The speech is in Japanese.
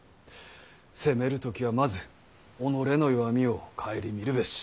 攻める時はまず己の弱みを顧みるべし。